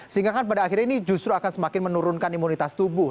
sehingga kan pada akhirnya ini justru akan semakin menurunkan imunitas tubuh